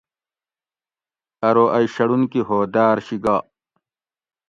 ارو ائ شڑونکی ھو داۤر شی گا